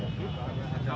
baikait dari restoran